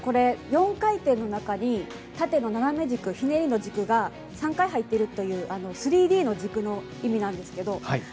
４回転の中に縦の斜め軸、ひねりの軸が３回入っているという３Ｄの軸の意味なんですけど。